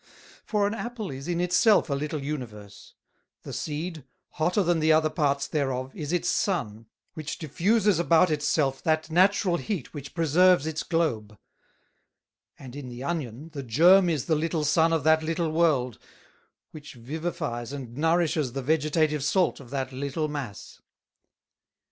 For an Apple is in itself a little Universe; the Seed, hotter than the other parts thereof, is its Sun, which diffuses about it self that natural Heat which preserves its Globe: And in the Onion, the Germ is the little Sun of that little World, which vivifies and nourishes the vegetative Salt of that little mass.